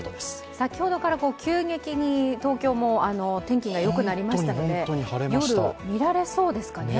先ほどから急激に東京も天気がよくなりましたので、夜、見られそうですかね。